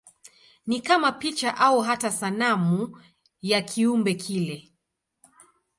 Ni kama picha au hata sanamu ya kiumbe kile.